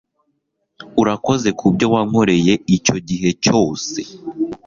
Urakoze kubyo wankoreye icyo gihe cyose